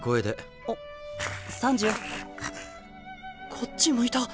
こっち向いた！